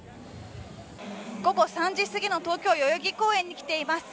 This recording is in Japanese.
午後３時すぎの東京、代々木公園に来ています。